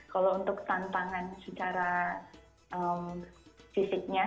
kalau untuk tantangan secara fisiknya